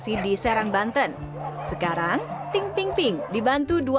ini adalah tempat yang terbaik untuk menghubungkan anjing anjing yang terlalu besar